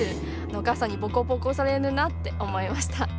お母さんにボコボコにされるなって思いました。